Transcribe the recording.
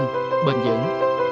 nhanh bình dưỡng